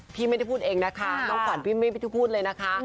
พี่ไม่ได้พูดเองนะคะน้องขวัญพี่ไม่ได้พูดเลยนะคะ